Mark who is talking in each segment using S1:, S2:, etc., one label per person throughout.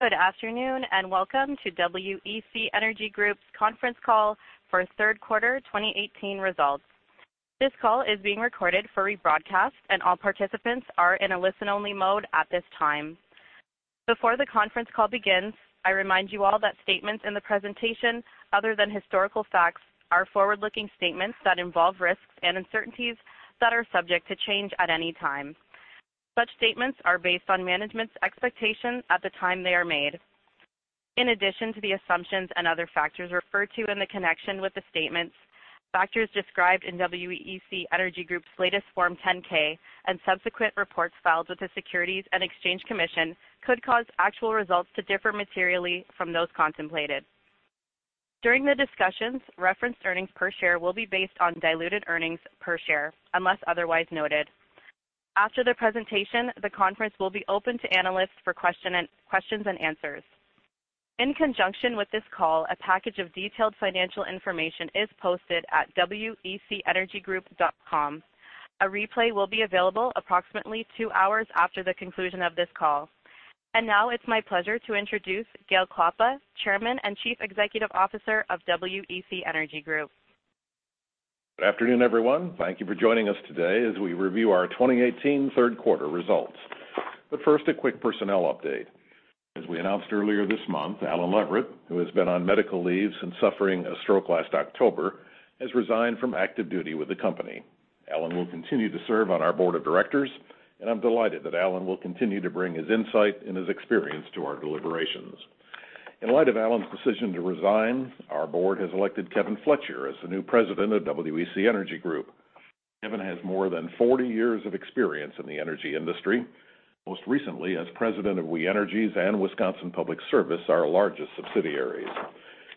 S1: Good afternoon. Welcome to WEC Energy Group's conference call for third quarter 2018 results. This call is being recorded for rebroadcast, and all participants are in a listen-only mode at this time. Before the conference call begins, I remind you all that statements in the presentation, other than historical facts, are forward-looking statements that involve risks and uncertainties that are subject to change at any time. Such statements are based on management's expectations at the time they are made. In addition to the assumptions and other factors referred to in the connection with the statements, factors described in WEC Energy Group's latest Form 10-K and subsequent reports filed with the Securities and Exchange Commission could cause actual results to differ materially from those contemplated. During the discussions, referenced earnings per share will be based on diluted earnings per share, unless otherwise noted. After the presentation, the conference will be open to analysts for questions and answers. In conjunction with this call, a package of detailed financial information is posted at wecenergygroup.com. A replay will be available approximately 2 hours after the conclusion of this call. Now it's my pleasure to introduce Gale Klappa, Chairman and Chief Executive Officer of WEC Energy Group.
S2: Good afternoon, everyone. Thank you for joining us today as we review our 2018 third-quarter results. First, a quick personnel update. As we announced earlier this month, Allen Leverett, who has been on medical leave since suffering a stroke last October, has resigned from active duty with the company. Allen will continue to serve on our board of directors. I'm delighted that Allen will continue to bring his insight and his experience to our deliberations. In light of Allen's decision to resign, our board has elected Kevin Fletcher as the new President of WEC Energy Group. Kevin has more than 40 years of experience in the energy industry, most recently as President of We Energies and Wisconsin Public Service, our largest subsidiaries.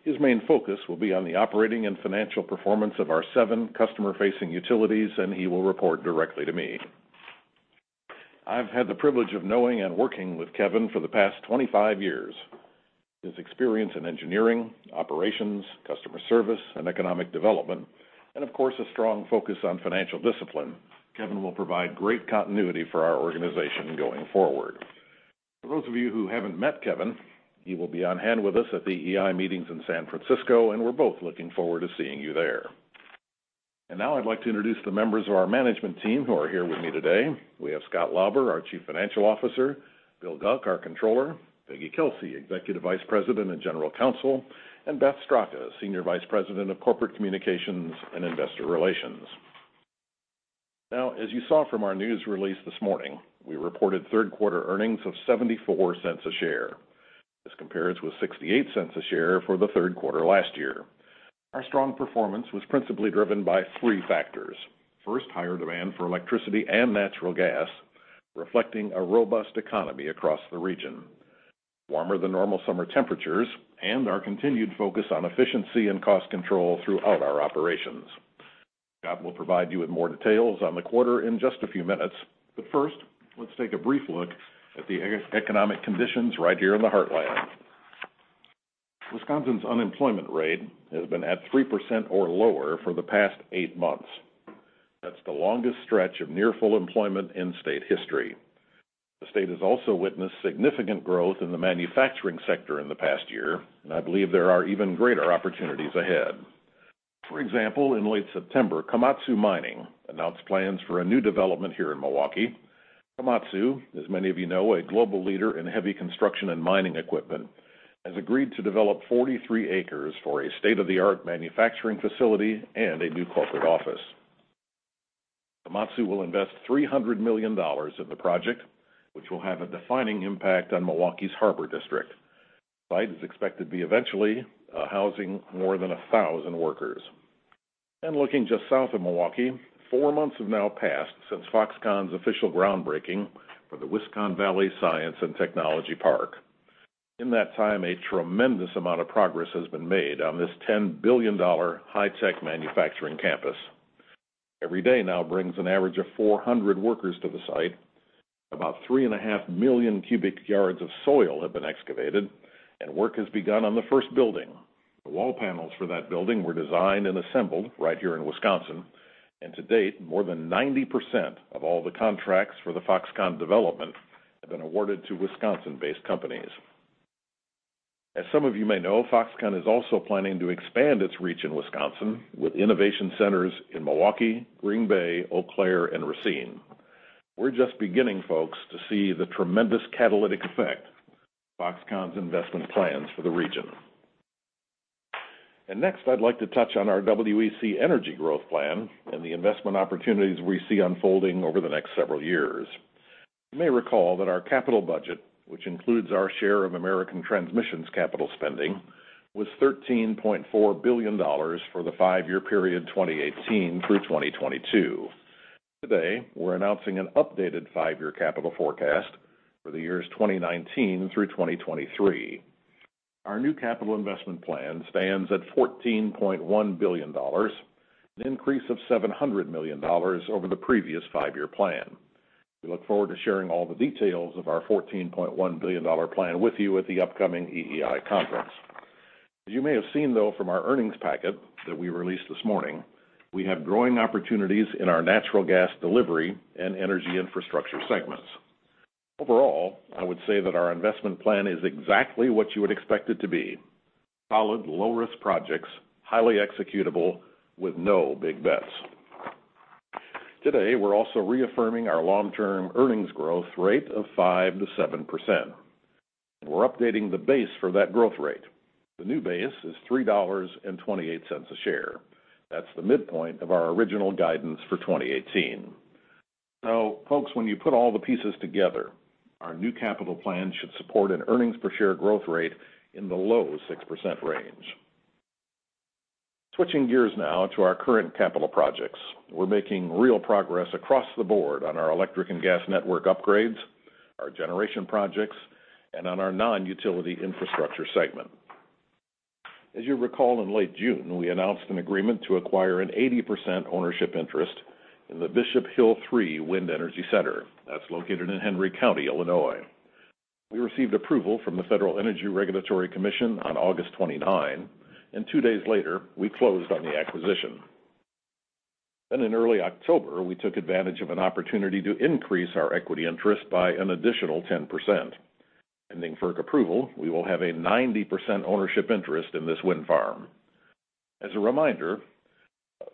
S2: His main focus will be on the operating and financial performance of our seven customer-facing utilities, and he will report directly to me. I've had the privilege of knowing and working with Kevin for the past 25 years. His experience in engineering, operations, customer service, and economic development, and of course, a strong focus on financial discipline, Kevin will provide great continuity for our organization going forward. For those of you who haven't met Kevin, he will be on hand with us at the EEI meetings in San Francisco. We're both looking forward to seeing you there. Now I'd like to introduce the members of our management team who are here with me today. We have Scott Lauber, our Chief Financial Officer, Bill Guc, our Controller, Peggy Kelsey, Executive Vice President and General Counsel, and Beth Straka, Senior Vice President of Corporate Communications and Investor Relations. Now, as you saw from our news release this morning, we reported third-quarter earnings of $0.74 a share. This compares with $0.68 a share for the third quarter last year. Our strong performance was principally driven by three factors. First, higher demand for electricity and natural gas, reflecting a robust economy across the region, warmer-than-normal summer temperatures, and our continued focus on efficiency and cost control throughout our operations. Scott will provide you with more details on the quarter in just a few minutes, but first, let's take a brief look at the economic conditions right here in the Heartland. Wisconsin's unemployment rate has been at 3% or lower for the past eight months. That's the longest stretch of near full employment in state history. The state has also witnessed significant growth in the manufacturing sector in the past year, and I believe there are even greater opportunities ahead. For example, in late September, Komatsu Mining announced plans for a new development here in Milwaukee. Komatsu, as many of you know, a global leader in heavy construction and mining equipment, has agreed to develop 43 acres for a state-of-the-art manufacturing facility and a new corporate office. Komatsu will invest $300 million in the project, which will have a defining impact on Milwaukee's Harbor District. The site is expected to be eventually housing more than 1,000 workers. Looking just south of Milwaukee, four months have now passed since Foxconn's official groundbreaking for the Wisconn Valley Science and Technology Park. In that time, a tremendous amount of progress has been made on this $10 billion high-tech manufacturing campus. Every day now brings an average of 400 workers to the site. About three and a half million cubic yards of soil have been excavated and work has begun on the first building. The wall panels for that building were designed and assembled right here in Wisconsin, to date, more than 90% of all the contracts for the Foxconn development have been awarded to Wisconsin-based companies. As some of you may know, Foxconn is also planning to expand its reach in Wisconsin with innovation centers in Milwaukee, Green Bay, Eau Claire, and Racine. We're just beginning, folks, to see the tremendous catalytic effect of Foxconn's investment plans for the region. Next, I'd like to touch on our WEC Energy growth plan and the investment opportunities we see unfolding over the next several years. You may recall that our capital budget, which includes our share of American Transmission's capital spending, was $13.4 billion for the five-year period 2018 through 2022. Today, we're announcing an updated five-year capital forecast for the years 2019 through 2023. Our new capital investment plan stands at $14.1 billion, an increase of $700 million over the previous five-year plan. We look forward to sharing all the details of our $14.1 billion plan with you at the upcoming EEI conference. As you may have seen, though, from our earnings packet that we released this morning, we have growing opportunities in our natural gas delivery and energy infrastructure segments. Overall, I would say that our investment plan is exactly what you would expect it to be: solid, low-risk projects, highly executable, with no big bets. Today, we're also reaffirming our long-term earnings growth rate of 5%-7%. We're updating the base for that growth rate. The new base is $3.28 a share. That's the midpoint of our original guidance for 2018. Folks, when you put all the pieces together, our new capital plan should support an earnings per share growth rate in the low 6% range. Switching gears now to our current capital projects. We're making real progress across the board on our electric and gas network upgrades, our generation projects, and on our non-utility infrastructure segment. As you recall, in late June, we announced an agreement to acquire an 80% ownership interest in the Bishop Hill 3 wind energy center. That's located in Henry County, Illinois. We received approval from the Federal Energy Regulatory Commission on August 29, and two days later, we closed on the acquisition. In early October, we took advantage of an opportunity to increase our equity interest by an additional 10%. Pending FERC approval, we will have a 90% ownership interest in this wind farm. As a reminder,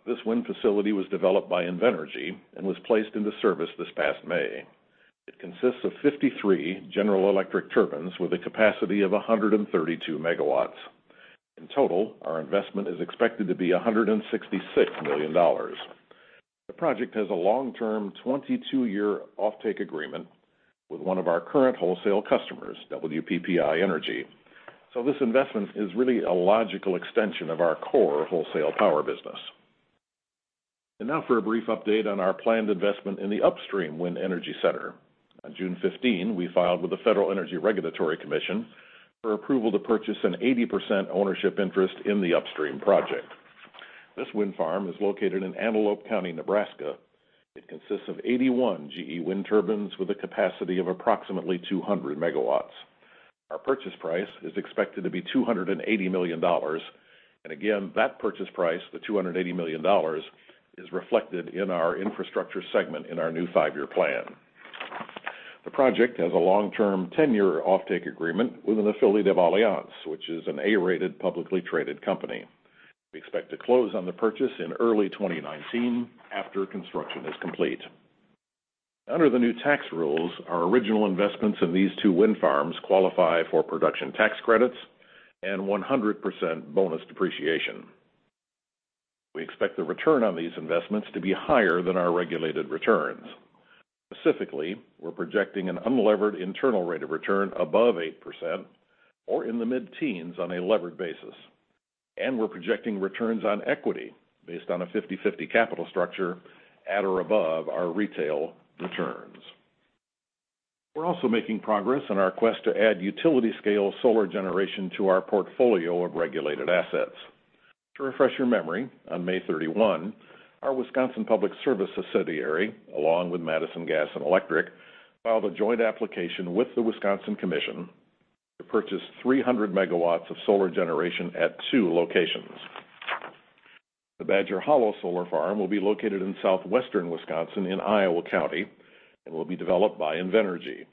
S2: this wind facility was developed by Invenergy and was placed into service this past May. It consists of 53 General Electric turbines with a capacity of 132 megawatts. In total, our investment is expected to be $166 million. The project has a long-term, 22-year offtake agreement with one of our current wholesale customers, WPPI Energy. This investment is really a logical extension of our core wholesale power business. Now for a brief update on our planned investment in the Upstream Wind Energy Center. On June 15, we filed with the Federal Energy Regulatory Commission for approval to purchase an 80% ownership interest in the Upstream project. This wind farm is located in Antelope County, Nebraska. It consists of 81 GE wind turbines with a capacity of approximately 200 megawatts. Our purchase price is expected to be $280 million. Again, that purchase price, the $280 million, is reflected in our infrastructure segment in our new five-year plan. The project has a long-term, 10-year offtake agreement with an affiliate of Allianz, which is an A-rated, publicly traded company. We expect to close on the purchase in early 2019 after construction is complete. Under the new tax rules, our original investments in these two wind farms qualify for production tax credits and 100% bonus depreciation. We expect the return on these investments to be higher than our regulated returns. Specifically, we're projecting an unlevered internal rate of return above 8%, or in the mid-teens on a levered basis. We're projecting returns on equity based on a 50/50 capital structure at or above our retail returns. We're also making progress on our quest to add utility-scale solar generation to our portfolio of regulated assets. To refresh your memory, on May 31, our Wisconsin Public Service subsidiary, along with Madison Gas and Electric, filed a joint application with the Wisconsin Commission to purchase 300 megawatts of solar generation at two locations. The Badger Hollow Solar Farm will be located in southwestern Wisconsin in Iowa County and will be developed by Invenergy.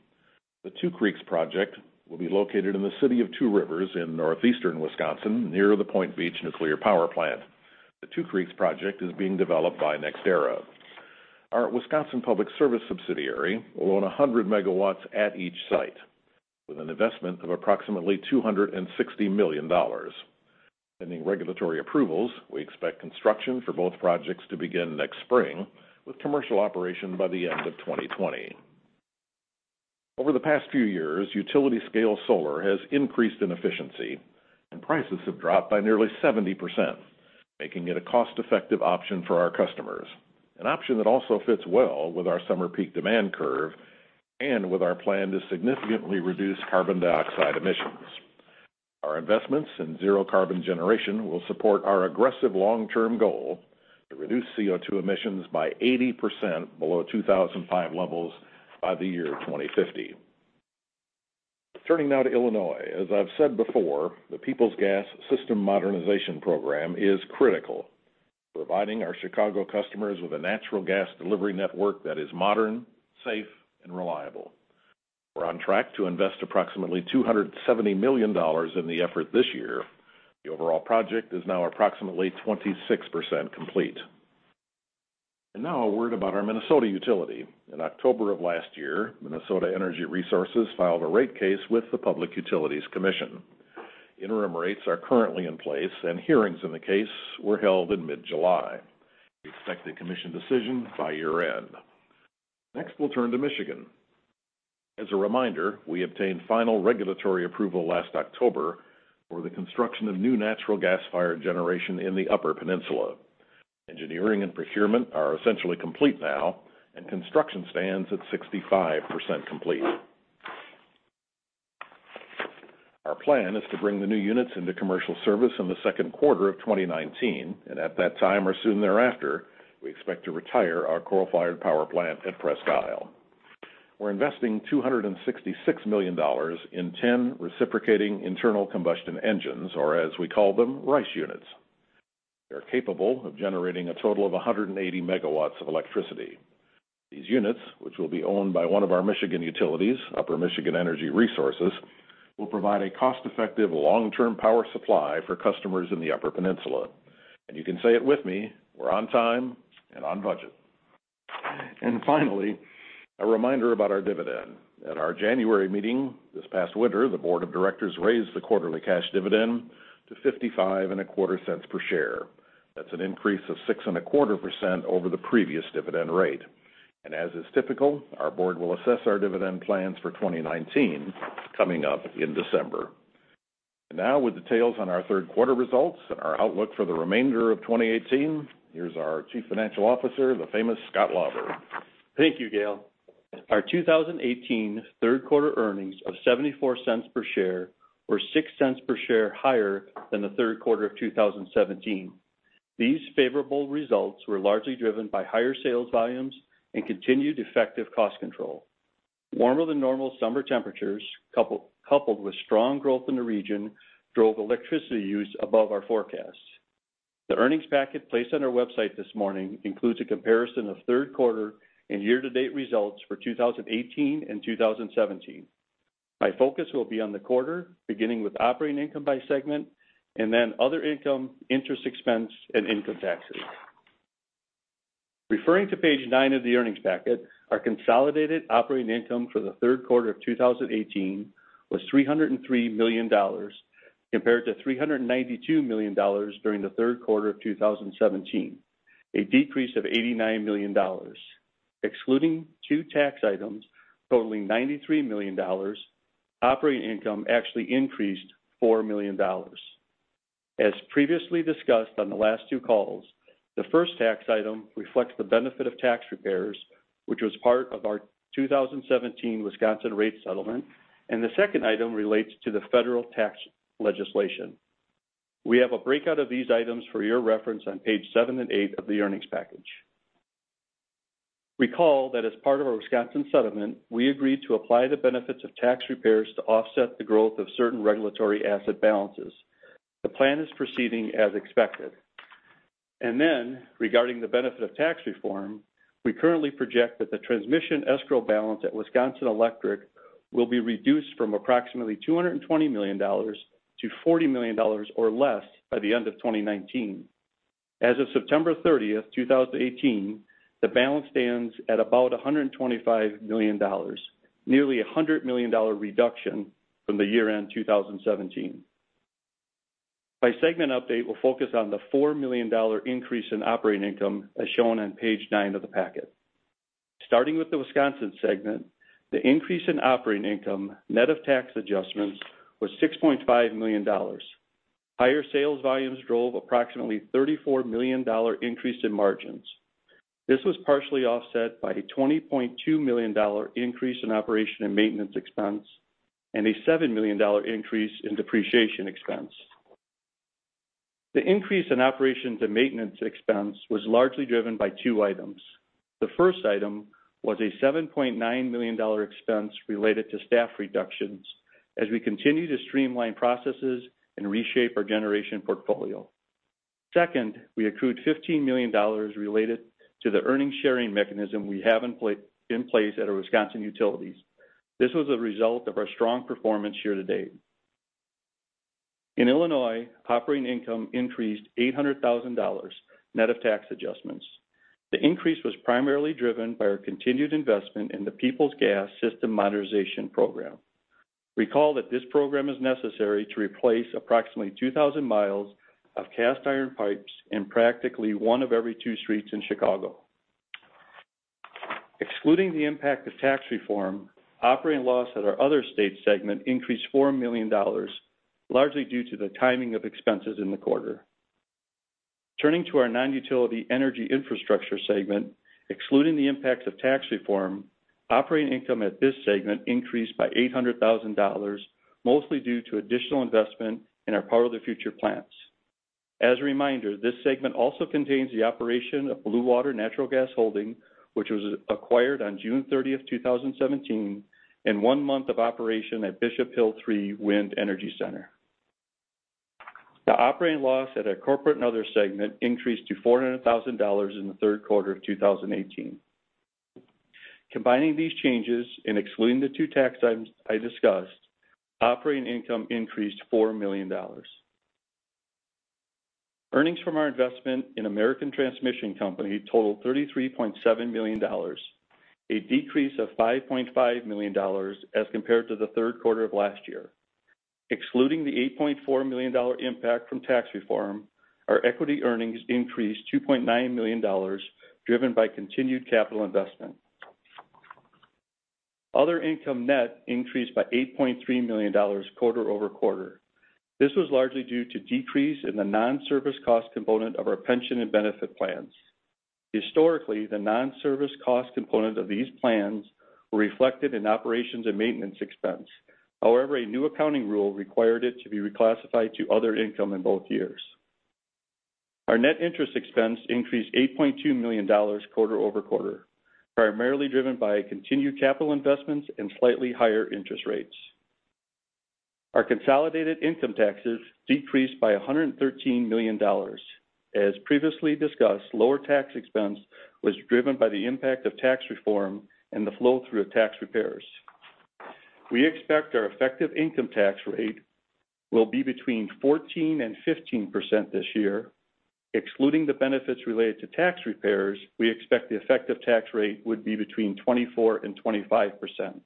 S2: The Two Creeks project will be located in the city of Two Rivers in northeastern Wisconsin, near the Point Beach Nuclear Power Plant. The Two Creeks project is being developed by NextEra. Our Wisconsin Public Service subsidiary will own 100 megawatts at each site, with an investment of approximately $260 million. Pending regulatory approvals, we expect construction for both projects to begin next spring, with commercial operation by the end of 2020. Over the past few years, utility-scale solar has increased in efficiency, and prices have dropped by nearly 70%, making it a cost-effective option for our customers, an option that also fits well with our summer peak demand curve and with our plan to significantly reduce carbon dioxide emissions. Our investments in zero-carbon generation will support our aggressive long-term goal to reduce CO2 emissions by 80% below 2005 levels by the year 2050. Turning now to Illinois. As I've said before, the Peoples Gas System Modernization program is critical to providing our Chicago customers with a natural gas delivery network that is modern, safe, and reliable. We're on track to invest approximately $270 million in the effort this year. The overall project is now approximately 26% complete. Now a word about our Minnesota utility. In October of last year, Minnesota Energy Resources filed a rate case with the Minnesota Public Utilities Commission. Interim rates are currently in place, and hearings in the case were held in mid-July. We expect a Commission decision by year-end. Next, we'll turn to Michigan. As a reminder, we obtained final regulatory approval last October for the construction of new natural gas-fired generation in the Upper Peninsula. Engineering and procurement are essentially complete now, and construction stands at 65% complete. Our plan is to bring the new units into commercial service in the second quarter of 2019, and at that time or soon thereafter, we expect to retire our coal-fired power plant at Presque Isle. We're investing $266 million in 10 reciprocating internal combustion engines, or as we call them, RICE units. They're capable of generating a total of 180 MW of electricity. These units, which will be owned by one of our Michigan utilities, Upper Michigan Energy Resources, will provide a cost-effective, long-term power supply for customers in the Upper Peninsula. You can say it with me, we're on time and on budget. Finally, a reminder about our dividend. At our January meeting this past winter, the board of directors raised the quarterly cash dividend to $0.5525 per share. That's an increase of 6.25% over the previous dividend rate. As is typical, our board will assess our dividend plans for 2019 coming up in December. Now with details on our third quarter results and our outlook for the remainder of 2018, here's our Chief Financial Officer, the famous Scott Lauber.
S3: Thank you, Gale. Our 2018 third quarter earnings of $0.74 per share were $0.06 per share higher than the third quarter of 2017. These favorable results were largely driven by higher sales volumes and continued effective cost control. Warmer than normal summer temperatures, coupled with strong growth in the region, drove electricity use above our forecasts. The earnings packet placed on our website this morning includes a comparison of third quarter and year-to-date results for 2018 and 2017. My focus will be on the quarter, beginning with operating income by segment, then other income, interest expense, and income taxes. Referring to page nine of the earnings packet, our consolidated operating income for the third quarter of 2018 was $303 million, compared to $392 million during the third quarter of 2017, a decrease of $89 million. Excluding two tax items totaling $93 million, operating income actually increased $4 million. As previously discussed on the last two calls, the first tax item reflects the benefit of tax repairs, which was part of our 2017 Wisconsin rate settlement, and the second item relates to the Federal tax legislation. We have a breakout of these items for your reference on page seven and eight of the earnings package. Recall that as part of our Wisconsin settlement, we agreed to apply the benefits of tax repairs to offset the growth of certain regulatory asset balances. The plan is proceeding as expected. Regarding the benefit of tax reform, we currently project that the transmission escrow balance at Wisconsin Electric will be reduced from approximately $220 million to $40 million or less by the end of 2019. As of September 30th, 2018, the balance stands at about $125 million, nearly a $100 million reduction from the year-end 2017. My segment update will focus on the $4 million increase in operating income, as shown on page nine of the packet. Starting with the Wisconsin segment, the increase in operating income, net of tax adjustments, was $6.5 million. Higher sales volumes drove approximately $34 million increase in margins. This was partially offset by the $20.2 million increase in operation and maintenance expense and a $7 million increase in depreciation expense. The increase in operations and maintenance expense was largely driven by two items. The first item was a $7.9 million expense related to staff reductions as we continue to streamline processes and reshape our generation portfolio. Second, we accrued $15 million related to the earnings sharing mechanism we have in place at our Wisconsin utilities. This was a result of our strong performance year to date. In Illinois, operating income increased $800,000 net of tax adjustments. The increase was primarily driven by our continued investment in the Peoples Gas system modernization program. Recall that this program is necessary to replace approximately 2,000 miles of cast iron pipes in practically one of every two streets in Chicago. Excluding the impact of tax reform, operating loss at our other state segment increased $4 million, largely due to the timing of expenses in the quarter. Turning to our non-utility energy infrastructure segment, excluding the impacts of tax reform, operating income at this segment increased by $800,000, mostly due to additional investment in our Power the Future plans. As a reminder, this segment also contains the operation of Bluewater Natural Gas Holding, which was acquired on June 30th, 2017, and one month of operation at Bishop Hill 3 Wind Energy Center. The operating loss at our corporate and other segment increased to $400,000 in the third quarter of 2018. Combining these changes and excluding the two tax items I discussed, operating income increased $4 million. Earnings from our investment in American Transmission Company totaled $33.7 million, a decrease of $5.5 million as compared to the third quarter of last year. Excluding the $8.4 million impact from tax reform, our equity earnings increased $2.9 million, driven by continued capital investment. Other income net increased by $8.3 million quarter-over-quarter. This was largely due to decrease in the non-service cost component of our pension and benefit plans. Historically, the non-service cost component of these plans were reflected in operations and maintenance expense. However, a new accounting rule required it to be reclassified to other income in both years. Our net interest expense increased $8.2 million quarter-over-quarter, primarily driven by continued capital investments and slightly higher interest rates. Our consolidated income taxes decreased by $113 million. As previously discussed, lower tax expense was driven by the impact of tax reform and the flow-through of tax repairs. We expect our effective income tax rate will be between 14%-15% this year. Excluding the benefits related to tax repairs, we expect the effective tax rate would be between 24%-25%.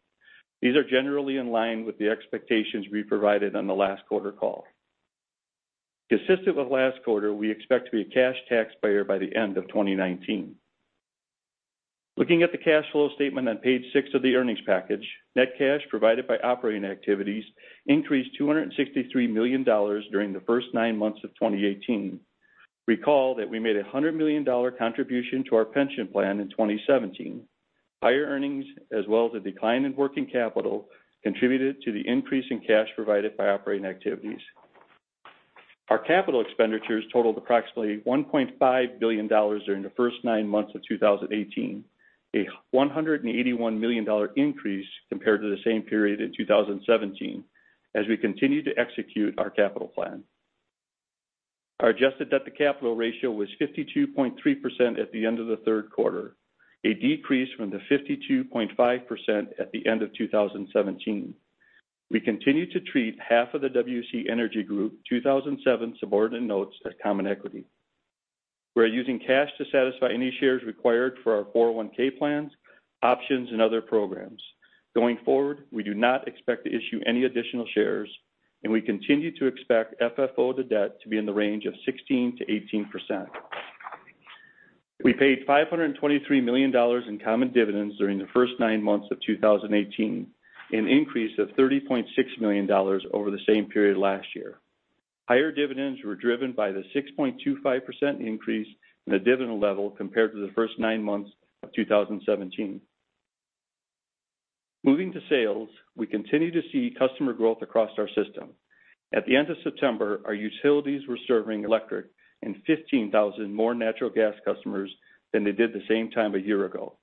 S3: These are generally in line with the expectations we provided on the last quarter call. Consistent with last quarter, we expect to be a cash taxpayer by the end of 2019. Looking at the cash flow statement on page six of the earnings package, net cash provided by operating activities increased $263 million during the first nine months of 2018. Recall that we made a $100 million contribution to our pension plan in 2017. Higher earnings, as well as a decline in working capital, contributed to the increase in cash provided by operating activities. Our capital expenditures totaled approximately $1.5 billion during the first nine months of 2018, a $181 million increase compared to the same period in 2017, as we continue to execute our capital plan. Our adjusted debt-to-capital ratio was 52.3% at the end of the third quarter, a decrease from the 52.5% at the end of 2017. We continue to treat half of the WEC Energy Group 2007 subordinate notes as common equity. We are using cash to satisfy any shares required for our 401 plans, options, and other programs. Going forward, we do not expect to issue any additional shares, and we continue to expect FFO-to-debt to be in the range of 16%-18%. We paid $523 million in common dividends during the first nine months of 2018, an increase of $30.6 million over the same period last year. Higher dividends were driven by the 6.25% increase in the dividend level compared to the first nine months of 2017. Moving to sales, we continue to see customer growth across our system. At the end of September, our utilities were serving electric and 15,000 more natural gas customers than they did the same time a year ago.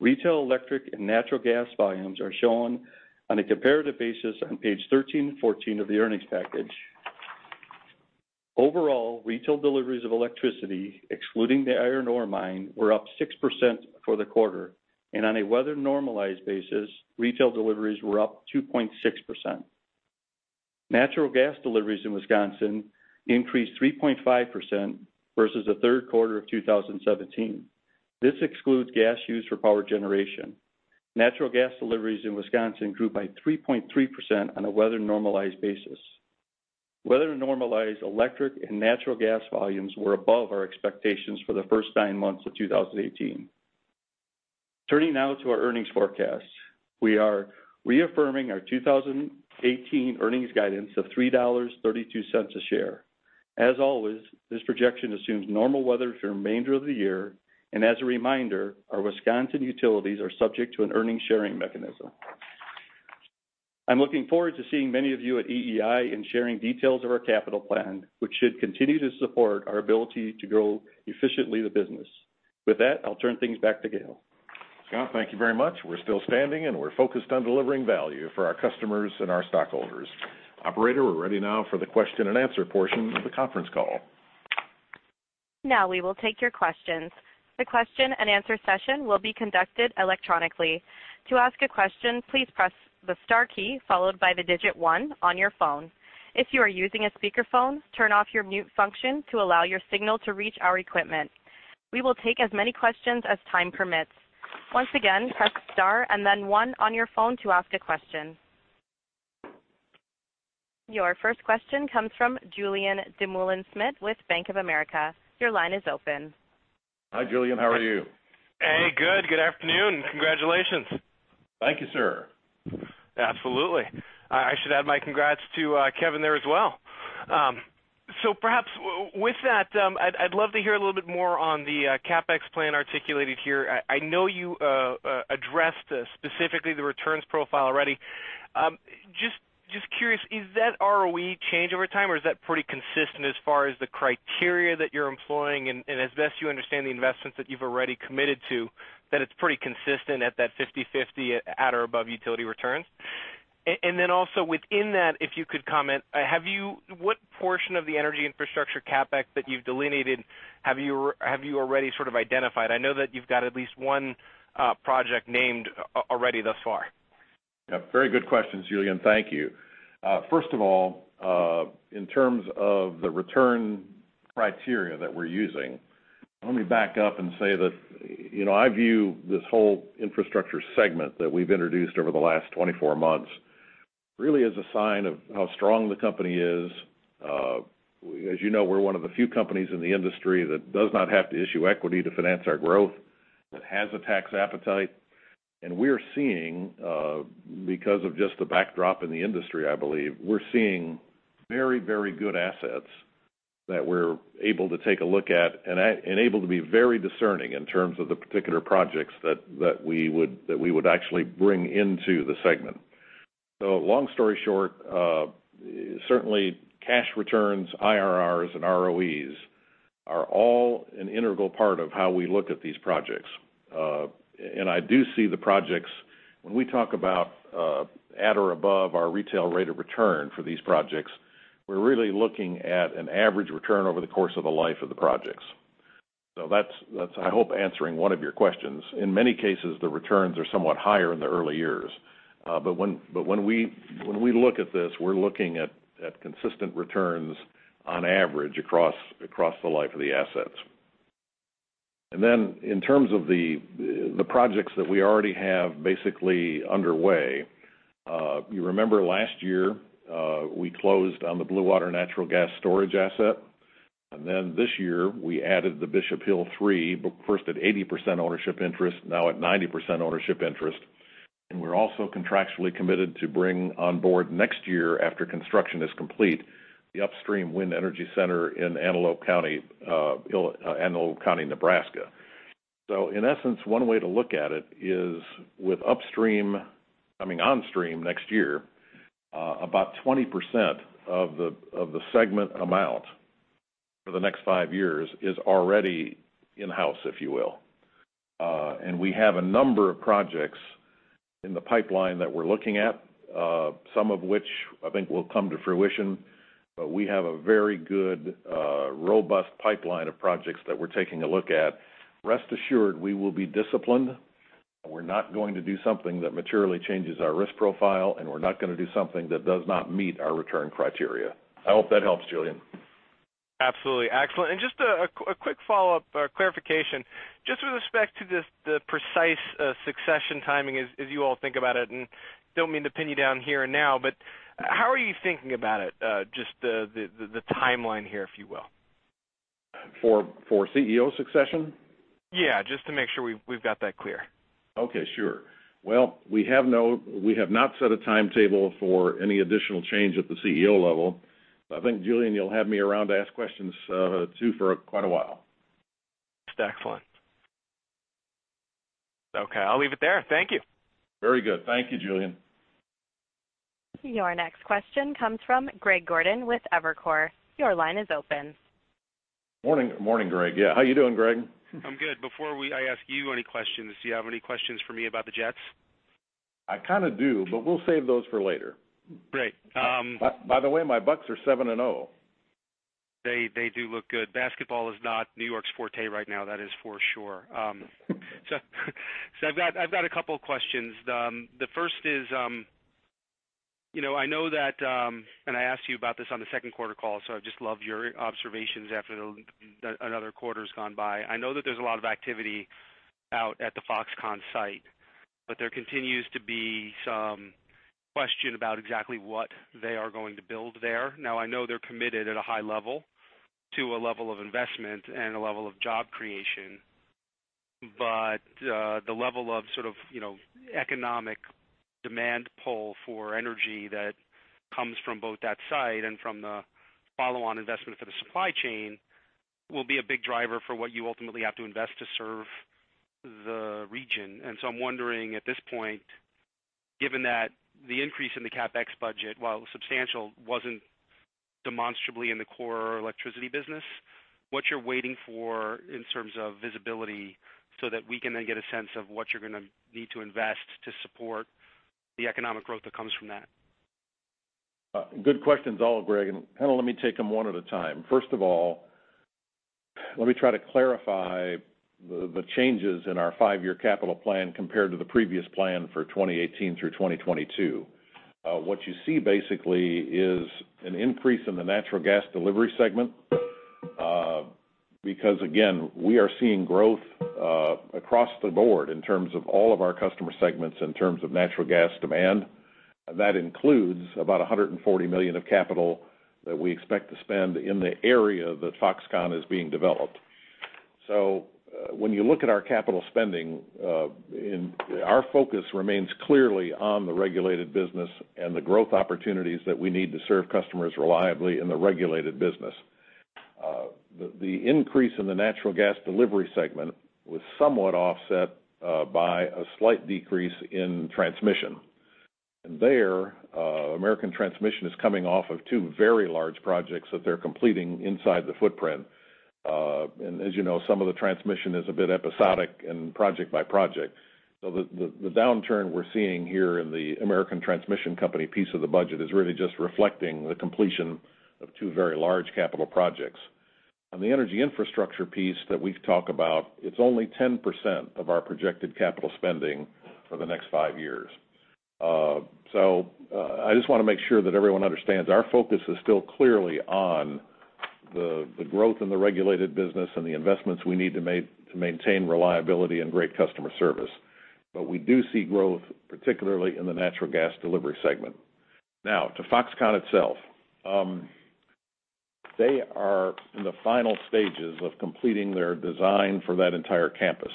S3: Retail electric and natural gas volumes are shown on a comparative basis on page 13 and 14 of the earnings package. Overall, retail deliveries of electricity, excluding the iron ore mine, were up 6% for the quarter. On a weather-normalized basis, retail deliveries were up 2.6%. Natural gas deliveries in Wisconsin increased 3.5% versus the third quarter of 2017. This excludes gas used for power generation. Natural gas deliveries in Wisconsin grew by 3.3% on a weather-normalized basis. Weather-normalized electric and natural gas volumes were above our expectations for the first nine months of 2018. Turning now to our earnings forecast. We are reaffirming our 2018 earnings guidance of $3.32 a share. As always, this projection assumes normal weather through the remainder of the year, and as a reminder, our Wisconsin utilities are subject to an earnings sharing mechanism. I'm looking forward to seeing many of you at EEI and sharing details of our capital plan, which should continue to support our ability to grow efficiently the business. With that, I'll turn things back to Gale.
S2: Scott, thank you very much. We're still standing, we're focused on delivering value for our customers and our stockholders. Operator, we're ready now for the question and answer portion of the conference call.
S1: Now we will take your questions. The question and answer session will be conducted electronically. To ask a question, please press the star key followed by the digit one on your phone. If you are using a speakerphone, turn off your mute function to allow your signal to reach our equipment. We will take as many questions as time permits. Once again, press star and then one on your phone to ask a question. Your first question comes from Julien Dumoulin-Smith with Bank of America. Your line is open.
S2: Hi, Julien. How are you?
S4: Hey, good. Good afternoon. Congratulations.
S2: Thank you, sir.
S4: Absolutely. I should add my congrats to Kevin there as well. Perhaps with that, I'd love to hear a little bit more on the CapEx plan articulated here. I know you addressed specifically the returns profile already. Just curious, is that ROE change over time, or is that pretty consistent as far as the criteria that you're employing and as best you understand the investments that you've already committed to, that it's pretty consistent at that 50/50 at or above utility returns? Then also within that, if you could comment, what portion of the energy infrastructure CapEx that you've delineated have you already sort of identified? I know that you've got at least one project named already thus far.
S2: Very good questions, Julien. Thank you. First of all, in terms of the return criteria that we're using, let me back up and say that, you know, I view this whole infrastructure segment that we've introduced over the last 24 months really as a sign of how strong the company is. As you know, we're one of the few companies in the industry that does not have to issue equity to finance our growth, that has a tax appetite. We're seeing, because of just the backdrop in the industry, I believe, we're seeing very, very good assets that we're able to take a look at and able to be very discerning in terms of the particular projects that we would actually bring into the segment. So long story short, certainly cash returns, IRRs, and ROEs are all an integral part of how we look at these projects. I do see the projects, when we talk about at or above our retail rate of return for these projects, we're really looking at an average return over the course of the life of the projects. That's, I hope, answering one of your questions. In many cases, the returns are somewhat higher in the early years. When we look at this, we're looking at consistent returns on average across the life of the assets. Then in terms of the projects that we already have basically underway, you remember last year we closed on the Bluewater natural gas storage asset, then this year we added the Bishop Hill 3, first at 80% ownership interest, now at 90% ownership interest. We're also contractually committed to bring on board next year after construction is complete, the Upstream Wind Energy Center in Antelope County, Nebraska. In essence, one way to look at it is with onstream next year, about 20% of the segment amount for the next five years is already in-house, if you will. We have a number of projects in the pipeline that we're looking at, some of which I think will come to fruition. We have a very good, robust pipeline of projects that we're taking a look at. Rest assured, we will be disciplined, we're not going to do something that materially changes our risk profile, we're not going to do something that does not meet our return criteria. I hope that helps, Julien.
S4: Absolutely. Excellent. Just a quick follow-up clarification. Just with respect to the precise succession timing as you all think about it, don't mean to pin you down here and now, but how are you thinking about it, just the timeline here, if you will?
S2: For CEO succession?
S4: Yeah, just to make sure we've got that clear.
S2: Okay. Sure. Well, we have not set a timetable for any additional change at the CEO level. I think, Julien, you'll have me around to ask questions too for quite a while.
S4: That's excellent. Okay, I'll leave it there. Thank you.
S2: Very good. Thank you, Julien.
S1: Your next question comes from Greg Gordon with Evercore. Your line is open.
S2: Morning, Greg. How you doing, Greg?
S5: I'm good. Before I ask you any questions, do you have any questions for me about the Jets?
S2: I kind of do, we'll save those for later.
S5: Great.
S2: By the way, my Bucks are 7 and 0.
S5: They do look good. Basketball is not New York's forte right now, that is for sure. I've got a couple questions. The first is, I know that, and I asked you about this on the second quarter call, I'd just love your observations after another quarter's gone by. I know that there's a lot of activity out at the Foxconn site, there continues to be some question about exactly what they are going to build there. Now, I know they're committed at a high level to a level of investment and a level of job creation, the level of economic demand pull for energy that comes from both that site and from the follow-on investment for the supply chain will be a big driver for what you ultimately have to invest to serve the region. I'm wondering at this point, given that the increase in the CapEx budget, while substantial, wasn't demonstrably in the core electricity business, what you're waiting for in terms of visibility so that we can then get a sense of what you're going to need to invest to support the economic growth that comes from that?
S2: Good questions all, Greg. Let me take them one at a time. First of all, let me try to clarify the changes in our 5-year capital plan compared to the previous plan for 2018 through 2022. What you see basically is an increase in the natural gas delivery segment because again, we are seeing growth across the board in terms of all of our customer segments in terms of natural gas demand. That includes about $140 million of capital that we expect to spend in the area that Foxconn is being developed. When you look at our capital spending, our focus remains clearly on the regulated business and the growth opportunities that we need to serve customers reliably in the regulated business. The increase in the natural gas delivery segment was somewhat offset by a slight decrease in transmission. There, American Transmission is coming off of two very large projects that they're completing inside the footprint. As you know, some of the transmission is a bit episodic and project by project. The downturn we're seeing here in the American Transmission Company piece of the budget is really just reflecting the completion of two very large capital projects. On the energy infrastructure piece that we've talked about, it's only 10% of our projected capital spending for the next 5 years. I just want to make sure that everyone understands our focus is still clearly on the growth in the regulated business and the investments we need to maintain reliability and great customer service. We do see growth, particularly in the natural gas delivery segment. Now to Foxconn itself. They are in the final stages of completing their design for that entire campus.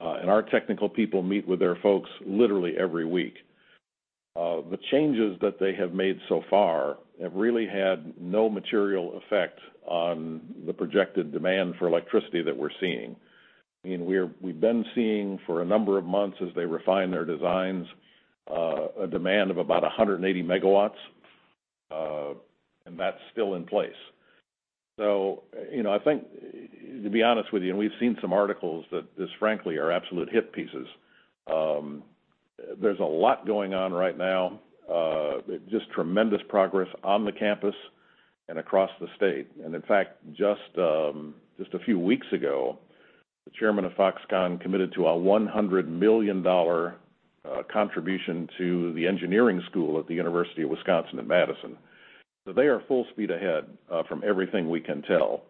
S2: Our technical people meet with their folks literally every week. The changes that they have made so far have really had no material effect on the projected demand for electricity that we're seeing. We've been seeing for a number of months, as they refine their designs, a demand of about 180 megawatts, and that's still in place. I think, to be honest with you, we've seen some articles that just frankly are absolute hit pieces. There's a lot going on right now, just tremendous progress on the campus and across the state. In fact, just a few weeks ago, the chairman of Foxconn committed to a $100 million contribution to the engineering school at the University of Wisconsin-Madison. They are full speed ahead from everything we can tell.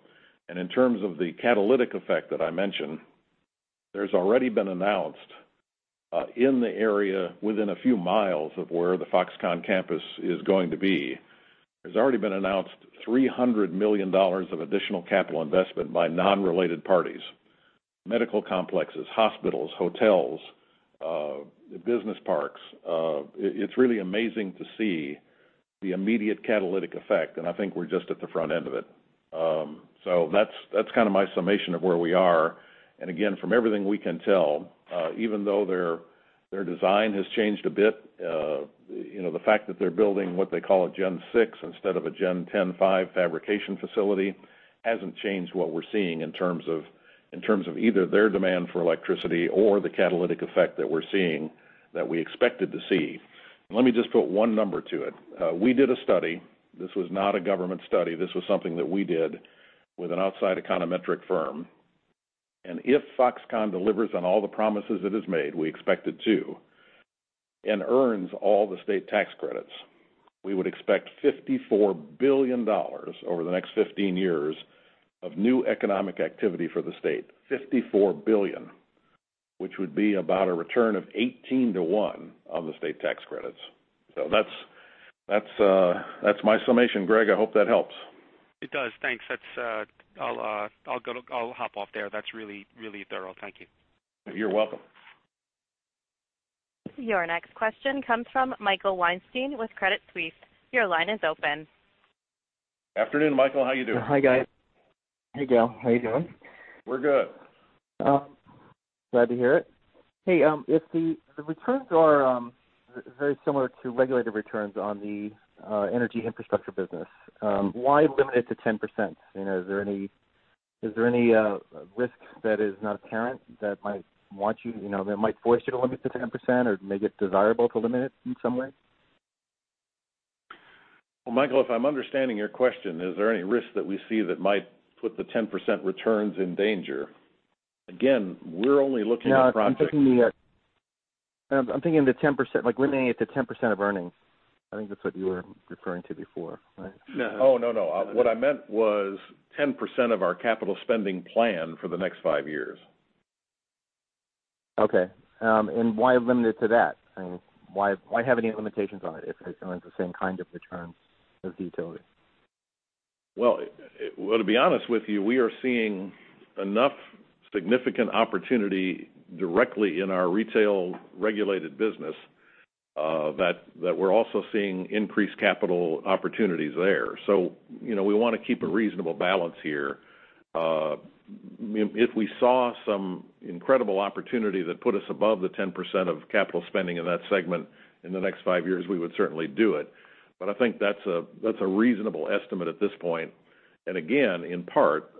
S2: In terms of the catalytic effect that I mentioned, there's already been announced in the area within a few miles of where the Foxconn campus is going to be, there's already been announced $300 million of additional capital investment by non-related parties, medical complexes, hospitals, hotels, business parks. It's really amazing to see the immediate catalytic effect, and I think we're just at the front end of it. That's my summation of where we are. Again, from everything we can tell, even though their design has changed a bit, the fact that they're building what they call a Gen 6 instead of a Gen 10.5 fabrication facility hasn't changed what we're seeing in terms of either their demand for electricity or the catalytic effect that we're seeing that we expected to see. Let me just put one number to it. We did a study. This was not a government study. This was something that we did with an outside econometric firm. If Foxconn delivers on all the promises it has made, we expect it to, and earns all the state tax credits, we would expect $54 billion over the next 15 years of new economic activity for the state, $54 billion, which would be about a return of 18 to one on the state tax credits. That's my summation, Greg. I hope that helps.
S5: It does. Thanks. I'll hop off there. That's really thorough. Thank you.
S2: You're welcome.
S1: Your next question comes from Michael Weinstein with Credit Suisse. Your line is open.
S2: Afternoon, Michael, how you doing?
S6: Hi, guys. Hey, Gale, how you doing?
S2: We're good.
S6: Glad to hear it. Hey, if the returns are very similar to regulated returns on the energy infrastructure business, why limit it to 10%? Is there any risk that is not apparent that might force you to limit to 10% or make it desirable to limit it in some way?
S2: Well, Michael, if I'm understanding your question, is there any risk that we see that might put the 10% returns in danger? Again, we're only looking at projects-
S6: No, I'm thinking the limiting it to 10% of earnings. I think that's what you were referring to before, right?
S2: Oh, no. What I meant was 10% of our capital spending plan for the next five years.
S6: Okay. Why limit it to that? Why have any limitations on it if it earns the same kind of returns as utilities?
S2: To be honest with you, we are seeing enough significant opportunity directly in our retail regulated business, that we're also seeing increased capital opportunities there. We want to keep a reasonable balance here. If we saw some incredible opportunity that put us above the 10% of capital spending in that segment in the next five years, we would certainly do it. I think that's a reasonable estimate at this point. Again, in part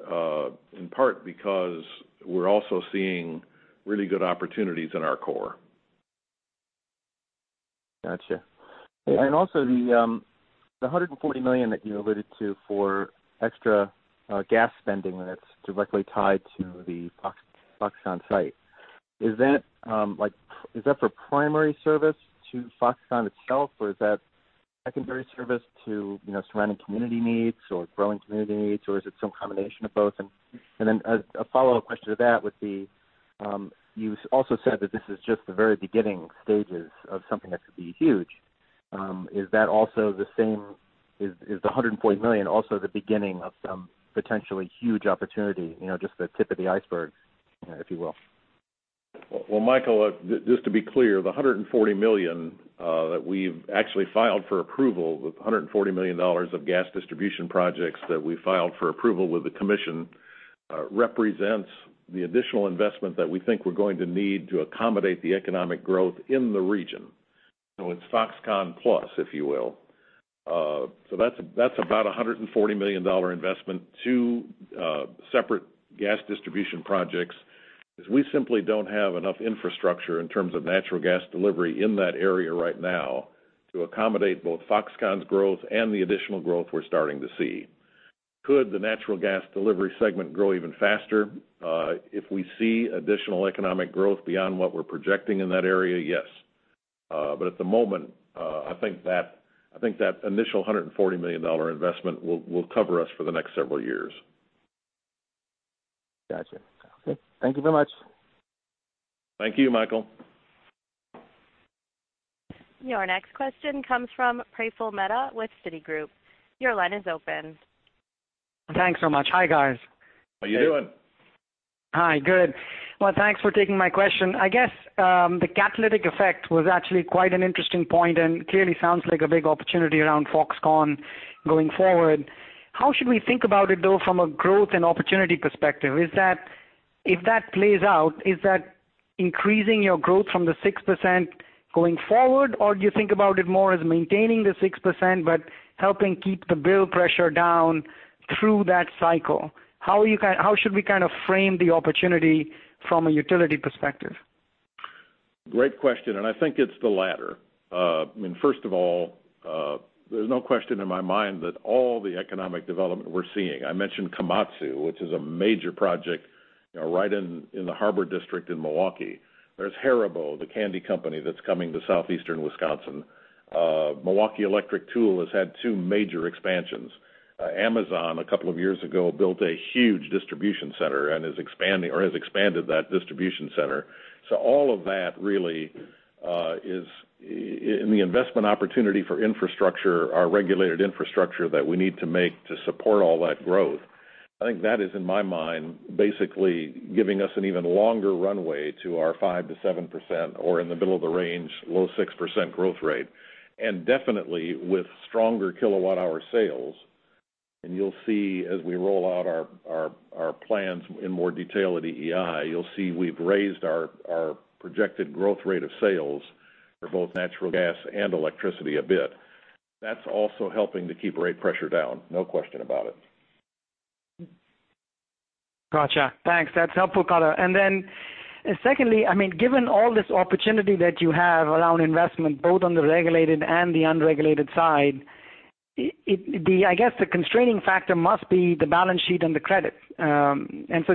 S2: because we're also seeing really good opportunities in our core.
S6: Got you. Also the $140 million that you alluded to for extra gas spending that's directly tied to the Foxconn site. Is that for primary service to Foxconn itself, or is that secondary service to surrounding community needs or growing community needs, or is it some combination of both? Then a follow-up question to that would be, you also said that this is just the very beginning stages of something that could be huge. Is the $140 million also the beginning of some potentially huge opportunity, just the tip of the iceberg, if you will?
S2: Well, Michael, just to be clear, the $140 million that we've actually filed for approval, the $140 million of gas distribution projects that we filed for approval with the commission, represents the additional investment that we think we're going to need to accommodate the economic growth in the region. It's Foxconn plus, if you will. That's about a $140 million investment, two separate gas distribution projects, because we simply don't have enough infrastructure in terms of natural gas delivery in that area right now to accommodate both Foxconn's growth and the additional growth we're starting to see. Could the natural gas delivery segment grow even faster? If we see additional economic growth beyond what we're projecting in that area, yes. At the moment, I think that initial $140 million investment will cover us for the next several years.
S6: Got you. Okay. Thank you very much.
S2: Thank you, Michael.
S1: Your next question comes from Praful Mehta with Citigroup. Your line is open.
S7: Thanks so much. Hi, guys.
S2: How you doing?
S7: Hi, good. Well, thanks for taking my question. I guess, the catalytic effect was actually quite an interesting point and clearly sounds like a big opportunity around Foxconn going forward. How should we think about it, though, from a growth and opportunity perspective? If that plays out, is that increasing your growth from the 6% going forward? Or do you think about it more as maintaining the 6%, but helping keep the bill pressure down through that cycle? How should we kind of frame the opportunity from a utility perspective?
S2: Great question. I think it's the latter. First of all, there's no question in my mind that all the economic development we're seeing, I mentioned Komatsu, which is a major project right in the Harbor district in Milwaukee. There's Haribo, the candy company that's coming to southeastern Wisconsin. Milwaukee Electric Tool has had two major expansions. Amazon, a couple of years ago, built a huge distribution center and is expanding, or has expanded that distribution center. All of that really is in the investment opportunity for infrastructure, our regulated infrastructure that we need to make to support all that growth. I think that is, in my mind, basically giving us an even longer runway to our 5%-7%, or in the middle of the range, low 6% growth rate. Definitely with stronger kilowatt-hour sales. You'll see as we roll out our plans in more detail at EEI, you'll see we've raised our projected growth rate of sales for both natural gas and electricity a bit. That's also helping to keep rate pressure down, no question about it.
S7: Got you. Thanks. That's helpful color. Secondly, given all this opportunity that you have around investment, both on the regulated and the unregulated side, I guess the constraining factor must be the balance sheet and the credit.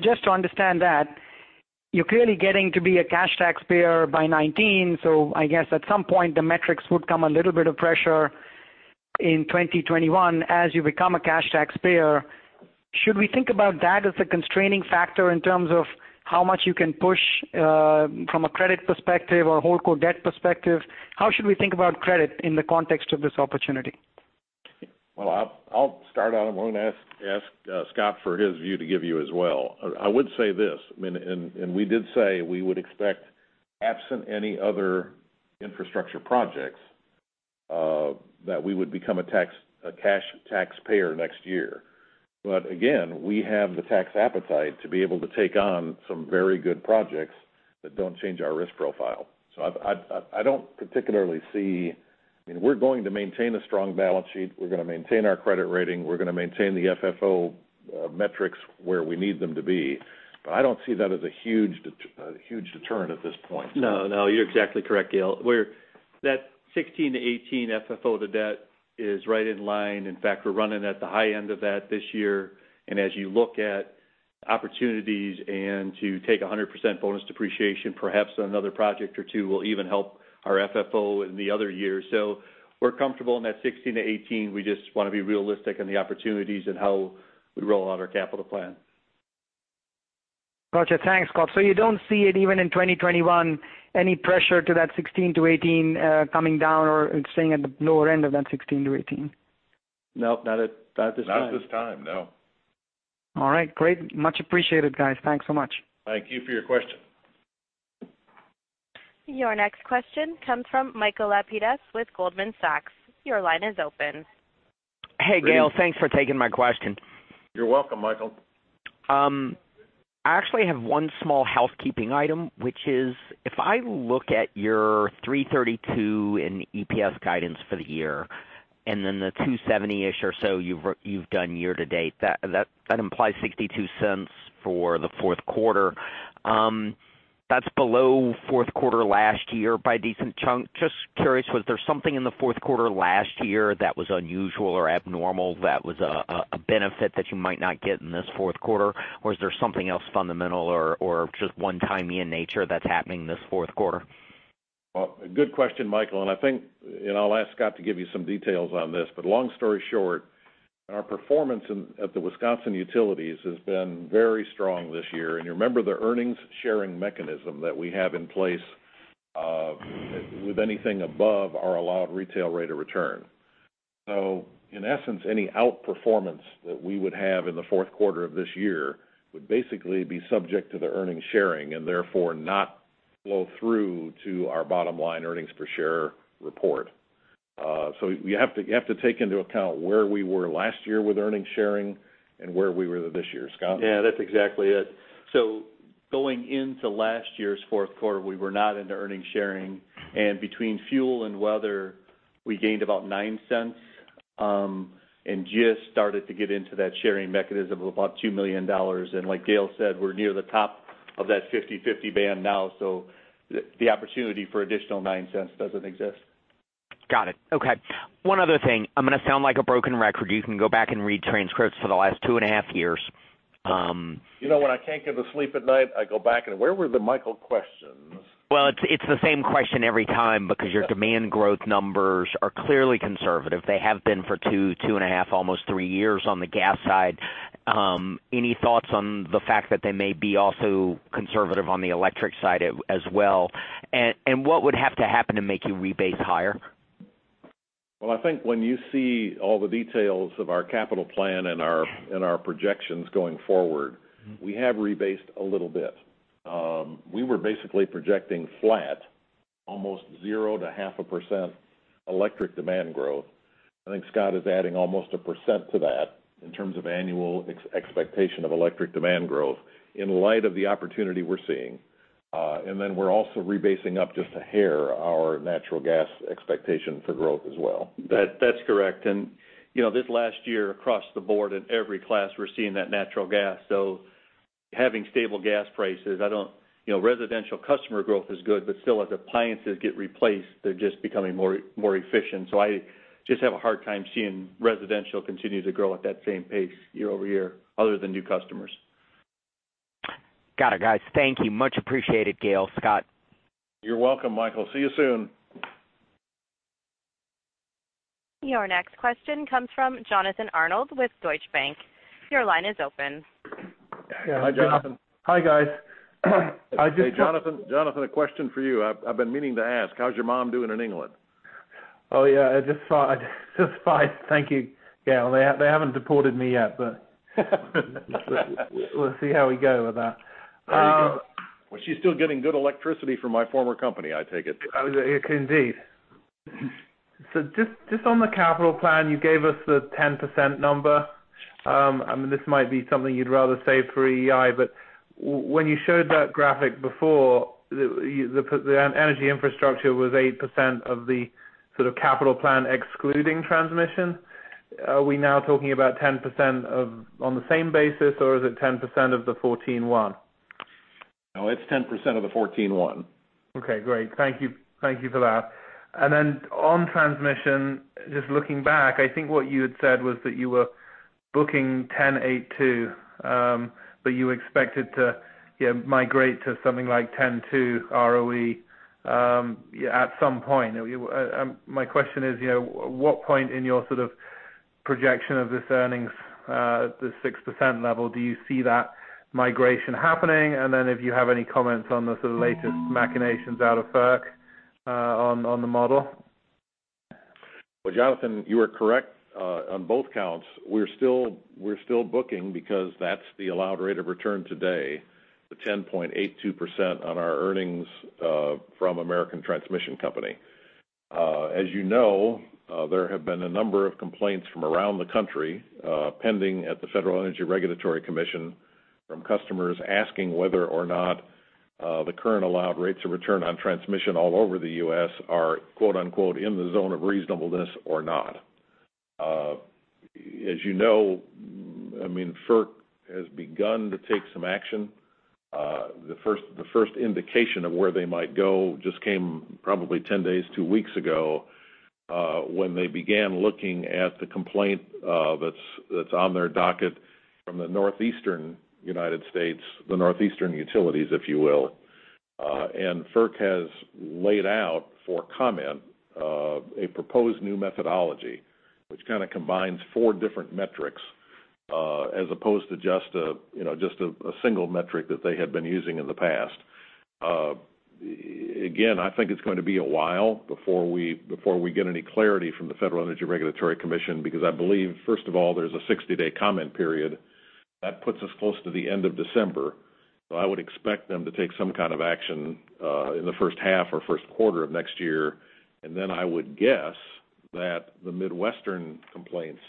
S7: Just to understand that, you're clearly getting to be a cash taxpayer by 2019, so I guess at some point, the metrics would come a little bit of pressure in 2021 as you become a cash taxpayer. Should we think about that as a constraining factor in terms of how much you can push from a credit perspective or whole core debt perspective? How should we think about credit in the context of this opportunity?
S2: Well, I'll start out, I'm going to ask Scott for his view to give you as well. We did say we would expect, absent any other infrastructure projects, that we would become a cash taxpayer next year. Again, we have the tax appetite to be able to take on some very good projects that don't change our risk profile. I don't particularly see. We're going to maintain a strong balance sheet. We're going to maintain our credit rating. We're going to maintain the FFO metrics where we need them to be. I don't see that as a huge deterrent at this point.
S3: No, you're exactly correct, Gale. That 16%-18% FFO-to-debt is right in line. In fact, we're running at the high end of that this year. As you look at opportunities and to take 100% bonus depreciation, perhaps another project or two will even help our FFO in the other year. We're comfortable in that 16%-18%. We just want to be realistic in the opportunities and how we roll out our capital plan.
S7: Got you. Thanks, Scott. You don't see it even in 2021, any pressure to that 16%-18% coming down or staying at the lower end of that 16%-18%?
S3: No, not at this time.
S2: Not at this time, no.
S7: All right, great. Much appreciated, guys. Thanks so much.
S2: Thank you for your question.
S1: Your next question comes from Michael Lapides with Goldman Sachs. Your line is open.
S8: Hey, Gale. Thanks for taking my question.
S2: You're welcome, Michael.
S8: I actually have one small housekeeping item, which is, if I look at your $3.32 in EPS guidance for the year, then the $2.70-ish or so you've done year-to-date, that implies $0.62 for the fourth quarter. That's below fourth quarter last year by a decent chunk. Just curious, was there something in the fourth quarter last year that was unusual or abnormal that was a benefit that you might not get in this fourth quarter? Or is there something else fundamental or just one-timey in nature that's happening this fourth quarter?
S2: Good question, Michael, I think, I'll ask Scott to give you some details on this, but long story short, our performance at the Wisconsin utilities has been very strong this year. You remember the earnings sharing mechanism that we have in place with anything above our allowed retail rate of return. In essence, any outperformance that we would have in the fourth quarter of this year would basically be subject to the earnings sharing and therefore not flow through to our bottom line earnings per share report. You have to take into account where we were last year with earnings sharing and where we were this year. Scott?
S3: Yeah, that's exactly it. Going into last year's fourth quarter, we were not into earnings sharing. Between fuel and weather, we gained about $0.09, just started to get into that sharing mechanism of about $2 million. Like Gale said, we're near the top of that 50/50 band now, so the opportunity for additional $0.09 doesn't exist.
S8: Got it. Okay. One other thing. I'm going to sound like a broken record. You can go back and read transcripts for the last two and a half years.
S2: You know, when I can't get to sleep at night, I go back and, "Where were the Michael questions?
S8: Well, it's the same question every time because your demand growth numbers are clearly conservative. They have been for two and a half, almost three years on the gas side. Any thoughts on the fact that they may be also conservative on the electric side as well? What would have to happen to make you rebase higher?
S2: Well, I think when you see all the details of our capital plan and our projections going forward, we have rebased a little bit. We were basically projecting flatAlmost zero to 0.5% electric demand growth. I think Scott is adding almost 1% to that in terms of annual expectation of electric demand growth in light of the opportunity we're seeing. Then we're also rebasing up just a hair our natural gas expectation for growth as well.
S3: That's correct. This last year, across the board in every class, we're seeing that natural gas. Having stable gas prices, residential customer growth is good, but still as appliances get replaced, they're just becoming more efficient. I just have a hard time seeing residential continue to grow at that same pace year-over-year, other than new customers.
S8: Got it, guys. Thank you. Much appreciated, Gale, Scott.
S2: You're welcome, Michael. See you soon.
S1: Your next question comes from Jonathan Arnold with Deutsche Bank. Your line is open.
S2: Hi, Jonathan.
S9: Hi, guys.
S2: Hey, Jonathan, a question for you. I've been meaning to ask, how's your mom doing in England?
S9: Oh, yeah. Just fine. Thank you, Gale. They haven't deported me yet, we'll see how we go with that.
S2: There you go. Well, she's still getting good electricity from my former company, I take it.
S9: Indeed. Just on the capital plan, you gave us the 10% number. This might be something you'd rather save for EEI, but when you showed that graphic before, the energy infrastructure was 8% of the sort of capital plan excluding transmission. Are we now talking about 10% on the same basis, or is it 10% of the 14 one?
S2: No, it's 10% of the 14 one.
S9: Okay, great. Thank you for that. On transmission, just looking back, I think what you had said was that you were booking 10.2, but you expected to migrate to something like 10.2% ROE at some point. My question is, at what point in your sort of projection of this earnings, the 6% level, do you see that migration happening? If you have any comments on the sort of latest machinations out of FERC on the model.
S2: Well, Jonathan, you are correct on both counts. We're still booking because that's the allowed rate of return today, the 10.82% on our earnings from American Transmission Company. As you know, there have been a number of complaints from around the country, pending at the Federal Energy Regulatory Commission from customers asking whether or not the current allowed rates of return on transmission all over the U.S. are "in the zone of reasonableness or not." As you know, FERC has begun to take some action. The first indication of where they might go just came probably 10 days, two weeks ago, when they began looking at the complaint that's on their docket from the Northeastern United States, the Northeastern utilities, if you will. FERC has laid out for comment, a proposed new methodology, which kind of combines four different metrics, as opposed to just a single metric that they had been using in the past. Again, I think it's going to be a while before we get any clarity from the Federal Energy Regulatory Commission, because I believe, first of all, there's a 60-day comment period. That puts us close to the end of December. I would expect them to take some kind of action in the first half or first quarter of next year. I would guess that the Midwestern complaints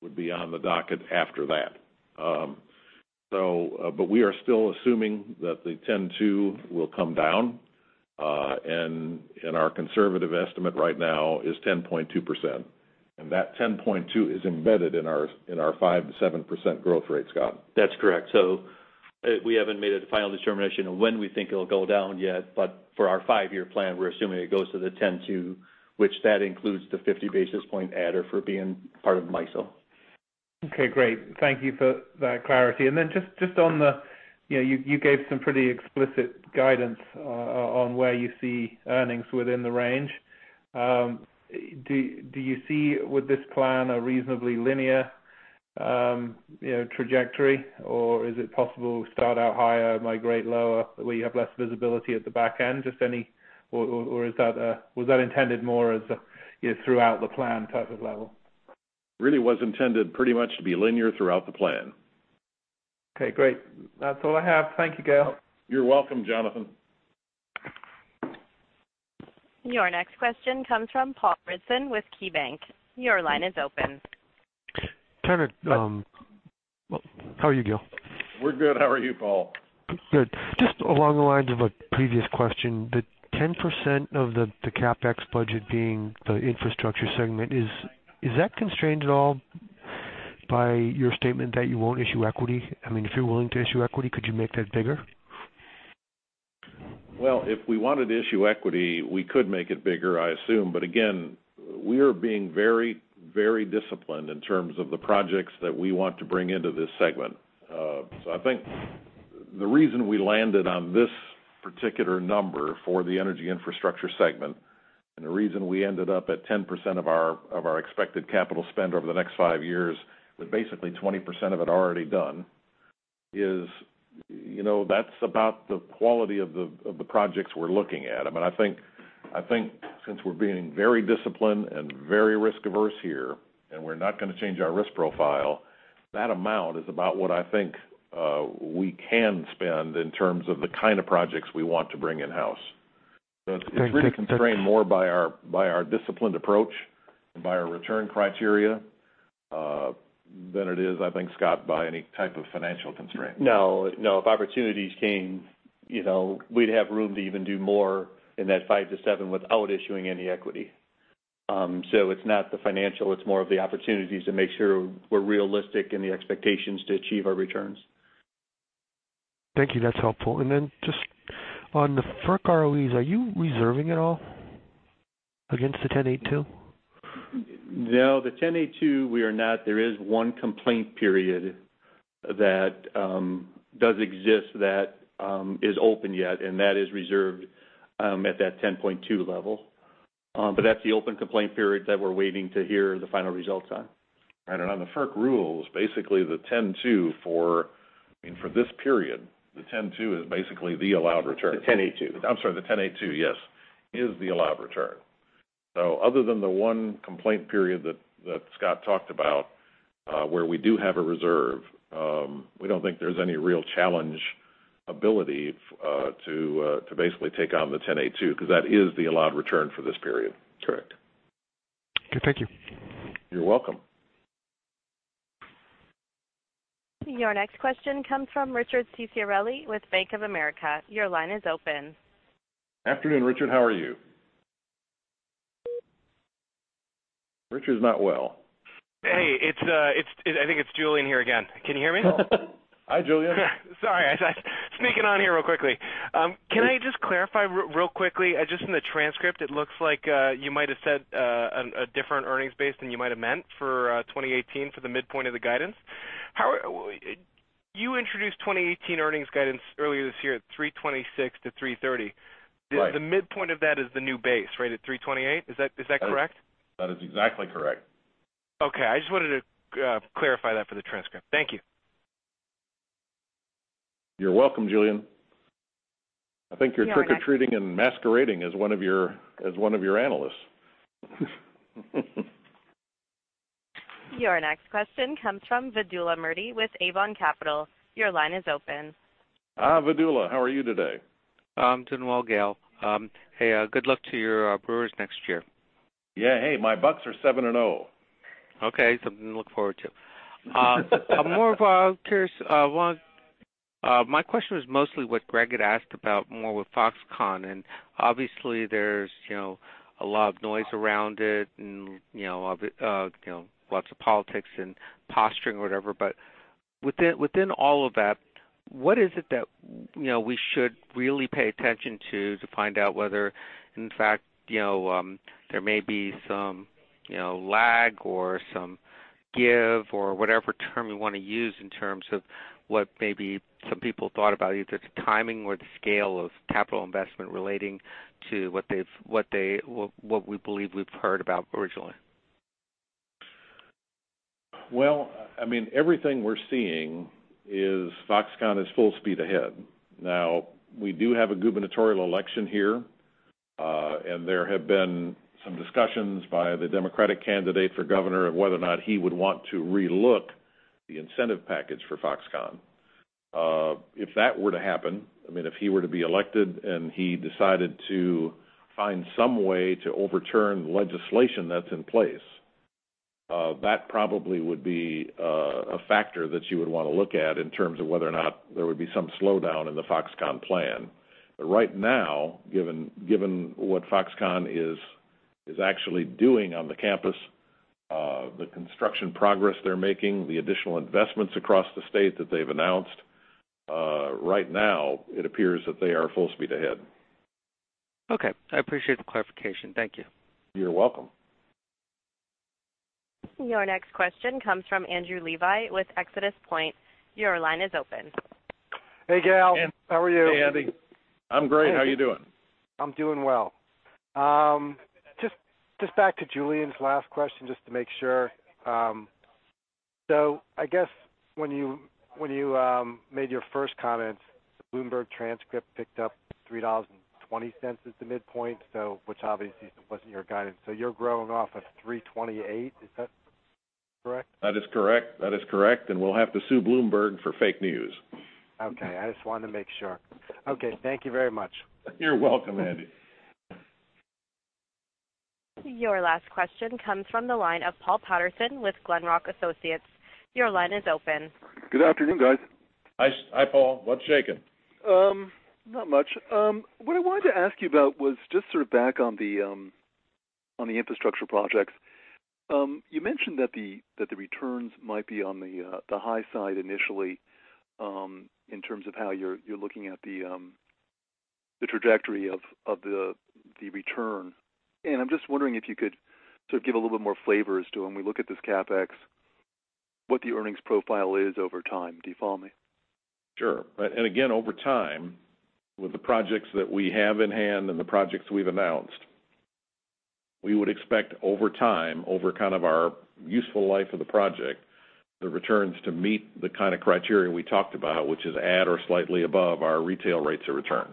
S2: would be on the docket after that. We are still assuming that the 10.2 will come down. Our conservative estimate right now is 10.2%, and that 10.2 is embedded in our 5%-7% growth rate, Scott.
S3: That's correct. We haven't made a final determination on when we think it'll go down yet, but for our five-year plan, we're assuming it goes to the 10.2, which that includes the 50 basis point adder for being part of MISO.
S9: Okay, great. Thank you for that clarity. Then just on the, you gave some pretty explicit guidance on where you see earnings within the range. Do you see with this plan a reasonably linear trajectory, or is it possible to start out higher, migrate lower, where you have less visibility at the back end? Or was that intended more as a throughout the plan type of level?
S2: Really was intended pretty much to be linear throughout the plan.
S9: Okay, great. That's all I have. Thank you, Gale.
S2: You're welcome, Jonathan.
S1: Your next question comes from Paul Ridzon with KeyBank. Your line is open.
S10: Kind of-
S2: Hi
S10: How are you, Gale?
S2: We're good. How are you, Paul?
S10: Good. Just along the lines of a previous question, the 10% of the CapEx budget being the infrastructure segment, is that constrained at all by your statement that you won't issue equity? I mean, if you're willing to issue equity, could you make that bigger?
S2: Well, if we wanted to issue equity, we could make it bigger, I assume. Again, we are being very disciplined in terms of the projects that we want to bring into this segment. I think the reason we landed on this particular number for the energy infrastructure segment, and the reason we ended up at 10% of our expected capital spend over the next five years, with basically 20% of it already done is that's about the quality of the projects we're looking at. I mean, I think since we're being very disciplined and very risk-averse here, and we're not going to change our risk profile. That amount is about what I think we can spend in terms of the kind of projects we want to bring in-house.
S10: Thank you.
S2: It's really constrained more by our disciplined approach and by our return criteria than it is, I think, Scott, by any type of financial constraint.
S3: No. If opportunities came, we'd have room to even do more in that five to seven without issuing any equity. It's not the financial, it's more of the opportunities to make sure we're realistic in the expectations to achieve our returns.
S10: Thank you. That's helpful. Just on the FERC ROEs, are you reserving at all against the 10.2?
S3: No, the 10.2, we are not. There is one complaint period that does exist that is open yet, and that is reserved at that 10.2 level. That's the open complaint period that we're waiting to hear the final results on.
S2: Right. On the FERC rules, basically the 10.2 for this period, the 10.2 is basically the allowed return.
S3: The 10.2.
S2: I'm sorry, the 10.2, yes, is the allowed return. Other than the one complaint period that Scott talked about where we do have a reserve, we don't think there's any real challenge ability to basically take on the 10.2, because that is the allowed return for this period.
S3: Correct.
S10: Okay, thank you.
S2: You're welcome.
S1: Your next question comes from Richard Ciciarelli with Bank of America. Your line is open.
S2: Afternoon, Richard. How are you? Richard's not well.
S4: Hey, I think it's Julien here again. Can you hear me?
S2: Hi, Julien.
S4: Sorry. I was sneaking on here real quickly. Can I just clarify real quickly, just in the transcript, it looks like you might have said a different earnings base than you might have meant for 2018 for the midpoint of the guidance. You introduced 2018 earnings guidance earlier this year at $3.26-$3.30.
S2: Right.
S4: The midpoint of that is the new base, right, at $3.28? Is that correct?
S2: That is exactly correct.
S4: Okay. I just wanted to clarify that for the transcript. Thank you.
S2: You're welcome, Julien. I think you're trick-or-treating and masquerading as one of your analysts.
S1: Your next question comes from Vedula Murti with Avon Capital. Your line is open.
S2: Vedula, how are you today?
S11: I'm doing well, Gale. Hey, good luck to your Brewers next year.
S2: Yeah. Hey, my Bucks are seven and zero.
S11: Okay, something to look forward to. My question was mostly what Greg had asked about more with Foxconn, and obviously there's a lot of noise around it and lots of politics and posturing or whatever, but within all of that, what is it that we should really pay attention to find out whether, in fact, there may be some lag or some give or whatever term you want to use in terms of what maybe some people thought about, either the timing or the scale of capital investment relating to what we believe we've heard about originally?
S2: Well, everything we're seeing is Foxconn is full speed ahead. Now, we do have a gubernatorial election here, and there have been some discussions by the Democratic candidate for governor of whether or not he would want to re-look the incentive package for Foxconn. If that were to happen, if he were to be elected and he decided to find some way to overturn legislation that's in place, that probably would be a factor that you would want to look at in terms of whether or not there would be some slowdown in the Foxconn plan. Right now, given what Foxconn is actually doing on the campus, the construction progress they're making, the additional investments across the state that they've announced, right now it appears that they are full speed ahead.
S11: Okay. I appreciate the clarification. Thank you.
S2: You're welcome.
S1: Your next question comes from Andrew Levi with ExodusPoint. Your line is open.
S12: Hey, Gale. How are you?
S2: Hey, Andy. I'm great. How are you doing?
S12: I'm doing well. Just back to Julien's last question, just to make sure. I guess when you made your first comment, the Bloomberg transcript picked up $3.20 as the midpoint, which obviously wasn't your guidance. You're growing off of $3.28, is that correct?
S2: That is correct. We'll have to sue Bloomberg for fake news.
S12: Okay. I just wanted to make sure. Okay, thank you very much.
S2: You're welcome, Andy.
S1: Your last question comes from the line of Paul Patterson with Glenrock Associates. Your line is open.
S13: Good afternoon, guys.
S2: Hi, Paul. What's shaking?
S13: Not much. What I wanted to ask you about was just sort of back on the infrastructure projects. You mentioned that the returns might be on the high side initially in terms of how you're looking at the trajectory of the return, I'm just wondering if you could sort of give a little bit more flavor as to when we look at this CapEx, what the earnings profile is over time. Do you follow me?
S2: Sure. Again, over time, with the projects that we have in hand and the projects we've announced, we would expect over time, over our useful life of the project, the returns to meet the kind of criteria we talked about, which is at or slightly above our retail rates of return.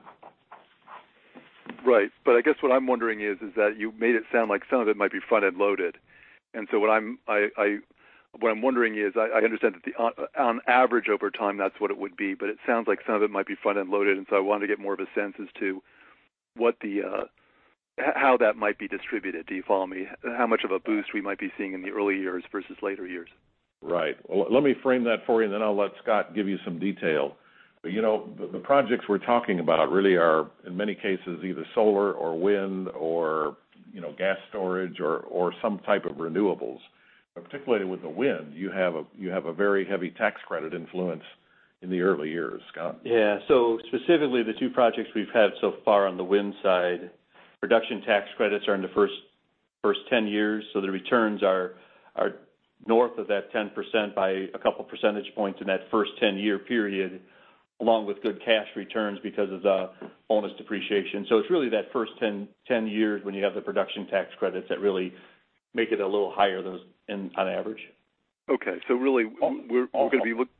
S13: Right. I guess what I'm wondering is that you made it sound like some of it might be front-end loaded. What I'm wondering is, I understand that on average over time, that's what it would be, it sounds like some of it might be front-end loaded, I wanted to get more of a sense as to how that might be distributed. Do you follow me? How much of a boost we might be seeing in the early years versus later years.
S2: Right. Well, let me frame that for you, I'll let Scott give you some detail. The projects we're talking about really are, in many cases, either solar or wind or gas storage or some type of renewables. Particularly with the wind, you have a very heavy tax credit influence in the early years. Scott?
S3: Yeah. Specifically, the two projects we've had so far on the wind side, production tax credits are in the first 10 years, the returns are north of that 10% by a couple percentage points in that first 10-year period, along with good cash returns because of the bonus depreciation. It's really that first 10 years when you have the production tax credits that really make it a little higher than on average.
S13: Okay. Really, we're going to be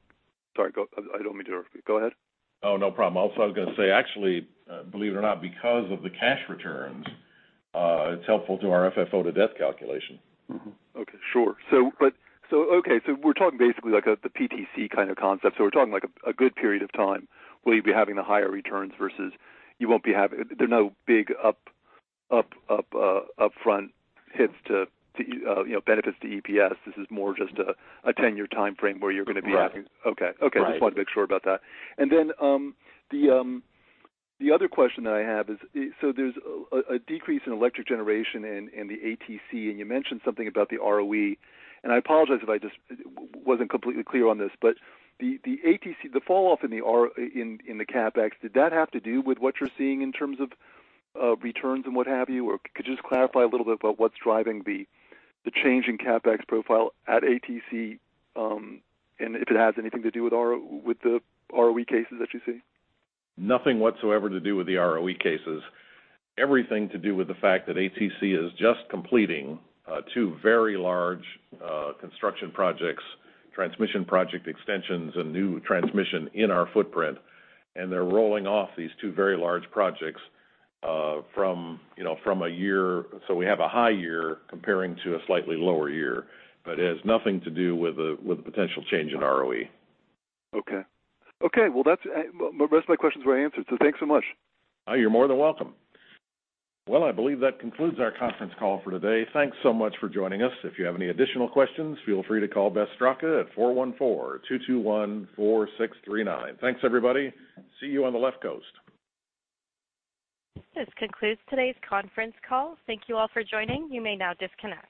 S13: Sorry, go. I don't mean to interrupt you. Go ahead.
S2: No problem. I was going to say, actually, believe it or not, because of the cash returns, it's helpful to our FFO-to-debt calculation.
S13: Okay, sure. We're talking basically like the PTC kind of concept. We're talking like a good period of time where you'll be having the higher returns versus you won't be having There are no big upfront hits to benefits to EPS. This is more just a 10-year timeframe where you're going to be having.
S2: Right.
S13: Okay.
S2: Right.
S13: Just wanted to make sure about that. Then the other question that I have is, there's a decrease in electric generation in the ATC, and you mentioned something about the ROE. I apologize if I just wasn't completely clear on this. The fall off in the CapEx, did that have to do with what you're seeing in terms of returns and what have you? Or could you just clarify a little bit about what's driving the change in CapEx profile at ATC, and if it has anything to do with the ROE cases that you see?
S2: Nothing whatsoever to do with the ROE cases. Everything to do with the fact that ATC is just completing two very large construction projects, transmission project extensions, and new transmission in our footprint. They're rolling off these two very large projects from a year. We have a high year comparing to a slightly lower year. It has nothing to do with a potential change in ROE.
S13: Okay. The rest of my questions were answered, thanks so much.
S2: Oh, you're more than welcome. I believe that concludes our conference call for today. Thanks so much for joining us. If you have any additional questions, feel free to call Beth Straka at 414-221-4639. Thanks, everybody. See you on the left coast.
S1: This concludes today's conference call. Thank you all for joining. You may now disconnect.